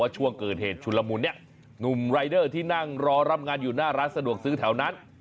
ช่วงเกิดเหตุชุนละมุนเนี่ยหนุ่มรายเดอร์ที่นั่งรอรับงานอยู่หน้าร้านสะดวกซื้อแถวนั้น